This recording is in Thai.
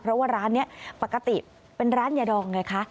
เพราะว่าร้านนี้ปกติเป็นร้านยาดองไงคะ